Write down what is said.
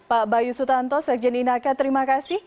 pak bayu sutanto sekjen inaka terima kasih